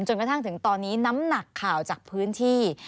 กระทั่งถึงตอนนี้น้ำนักข่าวจากพื้นที่